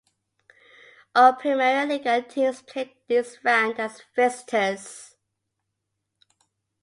All Primeira Liga teams played this round as visitors.